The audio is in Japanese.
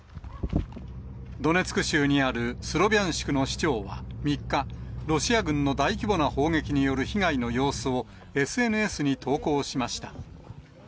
ドネツク州にあるスロビャンシクの市長は３日、ロシア軍の大規模な砲撃による被害の様子を、ＳＮＳに投稿しました。